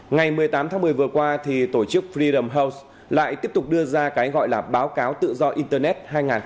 ngày một mươi tám tháng một mươi vừa qua thì tổ chức freedom house lại tiếp tục đưa ra cái gọi là báo cáo tự do internet